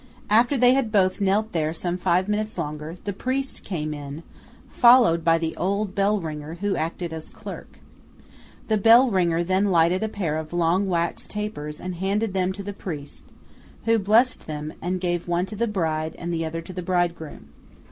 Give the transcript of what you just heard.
After they had both knelt there some five minutes longer, the priest came in, followed by the old bellringer, who acted as clerk. The bellringer then lighted a pair of long wax tapers and handed them to the priest, who blessed them, and gave one to the bride and the other to the bridegroom.